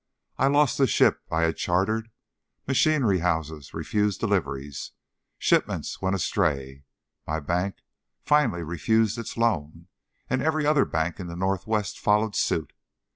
I lost the ship I had chartered; machinery houses refused deliveries; shipments went astray; my bank finally refused its loan, and every other bank in the Northwest followed suit.